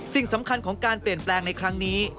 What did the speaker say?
สิ่งสำคัญของการเปลี่ยนแปลงในครั้งนี้